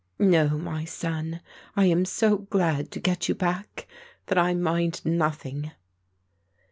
"No, my son. I am so glad to get you back that I mind nothing."